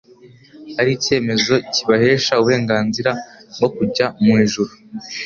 ari icyemezo kibahesha uburengarizira bwo kujya mu ijuru;